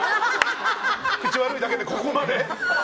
口悪いだけで、ここまで。